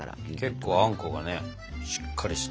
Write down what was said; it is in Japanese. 結構あんこがしっかりした。